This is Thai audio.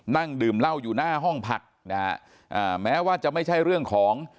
นั่งดื่มเหล้าอยู่หน้าห้องพักนะฮะอ่าแม้ว่าจะไม่ใช่เรื่องของ